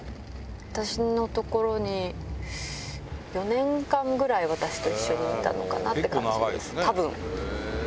私のところに、４年間ぐらい私と一緒にいたのかなって感じです。